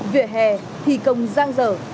vịa hè thi công giang dở